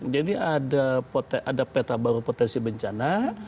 jadi ada peta baru potensi bencana